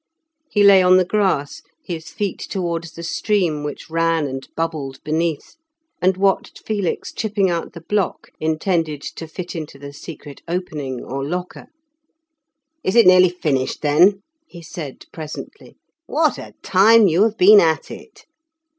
He lay on the grass, his feet towards the stream which ran and bubbled beneath, and watched Felix chipping out the block intended to fit into the secret opening or locker. "Is it nearly finished, then?" he said presently. "What a time you have been at it!"